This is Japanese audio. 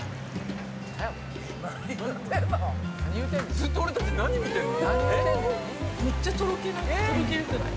ずっと俺たち何見てんの？